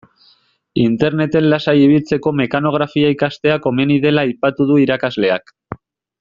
Interneten lasai ibiltzeko mekanografia ikastea komeni dela aipatu du irakasleak.